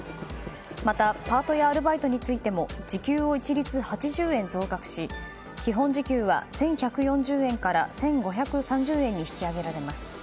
またパートやアルバイトについても時給を一律８０円増額し基本時給は１１４０円から１５３０円に引き上げられます。